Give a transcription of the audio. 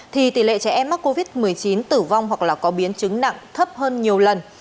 thì tỷ lệ trẻ em mắc covid một mươi chín tử vong hoặc là có biến chứng nặng thấp hơn nhiều lần